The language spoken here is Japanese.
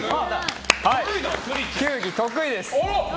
球技、得意です。